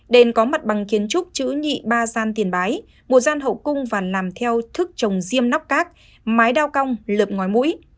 đền có mặt bằng kiến trúc chữ nhị ba gian tiền bái một gian hậu cung và làm theo thức trồng diêm nóc cát mái đao cong lượp ngoài mũi